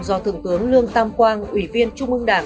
do thượng tướng lương tam quang ủy viên trung ương đảng